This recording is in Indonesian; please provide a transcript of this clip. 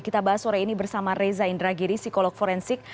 kita bahas sore ini bersama reza indragiri psikolog forensik